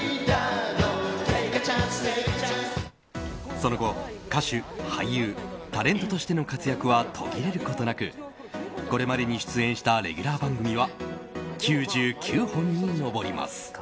その後、歌手、俳優タレントとしての活躍は途切れることなくこれまでに出演したレギュラー番組は９９本に上ります。